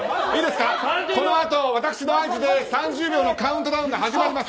このあと、私の合図で３０秒のカウントダウンが始まります。